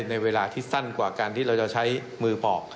ในเวลาที่สั้นกว่าการที่เราจะใช้มือปอก